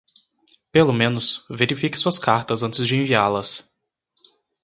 Pelo menos, verifique suas cartas antes de enviá-las.